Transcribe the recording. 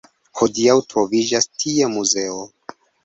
Hodiaŭ troviĝas tie muzeo.